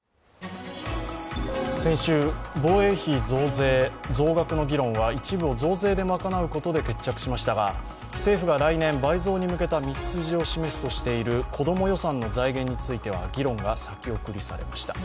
先週、防衛費増額の議論は一部を増税で賄うことで決着しましたが政府が来年、倍増に向けた道筋を示すとしている子供予算の財源については議論が先送りされました。